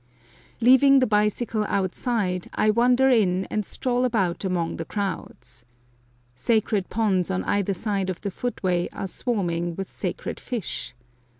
Leaving the bicycle outside, I wander in and stroll about among the crowds. Sacred ponds on either side of the footway are swarming with sacred fish.